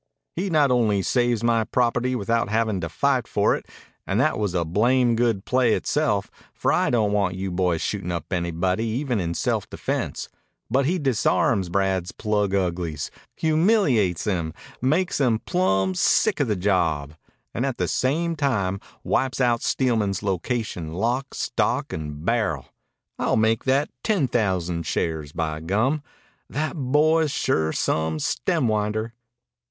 "He not only saves my property without havin' to fight for it and that was a blamed good play itself, for I don't want you boys shootin' up anybody even in self defense but he disarms Brad's plug uglies, humiliates them, makes them plumb sick of the job, and at the same time wipes out Steelman's location lock, stock, and barrel. I'll make that ten thousand shares, by gum! That boy's sure some stemwinder."